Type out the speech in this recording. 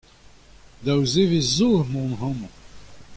Daou zevezh zo emaon amañ.